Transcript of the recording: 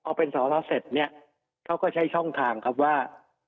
พอเป็นสรเสร็จเนี่ยเขาก็ใช้ช่องทางครับว่า